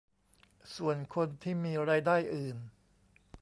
ส่วนคนที่มีรายได้อื่น